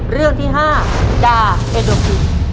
เรื่องที่๕ดาเอดอมพริก